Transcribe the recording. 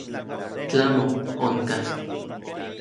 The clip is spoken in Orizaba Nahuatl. Tlamo, onka.